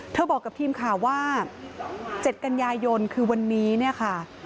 เธอบอกกับทีมค่ะว่า๗กันยายนคือวันนี้ค่ะ